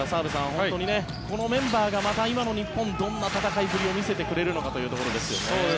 本当にこのメンバーが日本がどんな戦いぶりを見せてくれるのかというところですね。